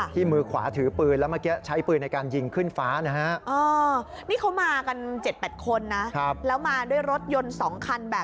มือขวาถือปืนแล้วเมื่อกี้ใช้ปืนในการยิงขึ้นฟ้านะฮะ